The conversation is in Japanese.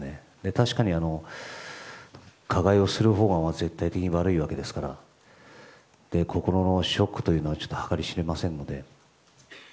確かに、加害をするほうが絶対的に悪いわけですから心のショックというのは計り知れませんので。